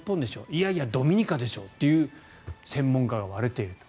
いやいやドミニカでしょうという専門家が割れていると。